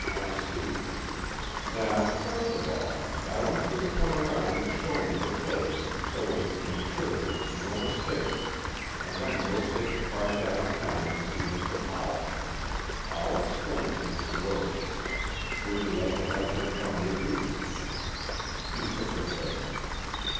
I see: Now, first of all, I want you to come around and show me the place so as to make sure there is no mistake, and then we'll take the car down town and see Mr. Howell. I'll explain to Miss Rose. Would you like to have her come with you?" She shook her head.